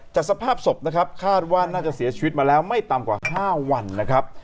สภาพศพนะครับคาดว่าน่าจะเสียชีวิตมาแล้วไม่ต่ำกว่า๕วันนะครับ